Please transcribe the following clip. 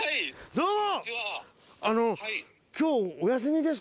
どうも！